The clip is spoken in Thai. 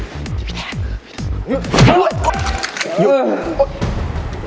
พี่แทน